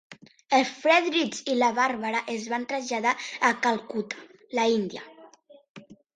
El Friedrich i la Barbara es van traslladar a Calcutta, la India.